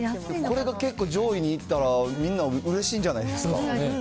これが結構上位にいったら、みんなうれしいんじゃないですか。